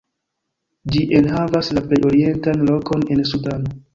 Ĝi enhavas la plej orientan lokon en Sudano.